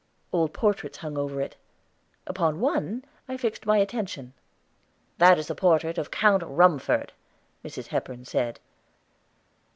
Old portraits hung over it. Upon one I fixed my attention. "That is the portrait of Count Rumford," Mrs. Hepburn said.